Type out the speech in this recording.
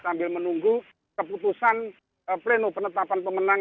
sambil menunggu keputusan pleno penetapan pemenang